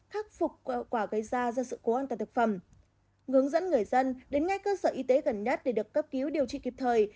khắc phục gây ra do sự cố an toàn thực phẩm hướng dẫn người dân đến ngay cơ sở y tế gần nhất để được cấp cứu điều trị kịp thời